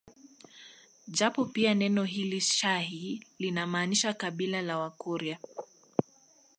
Japo pia neno hili shahi linamaanisha kabila la Wakurya